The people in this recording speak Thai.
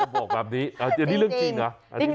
บอกแบบนี้อันนี้เรื่องจริงนะ